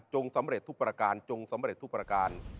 จงสำเร็จทุกประการ